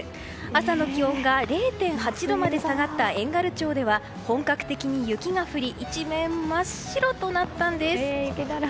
朝の気温が０．８度まで下がった遠軽町では本格的に雪が降り一面真っ白となったんです。